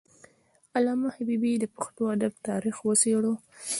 علامه حبيبي د پښتو ادب تاریخ وڅیړه.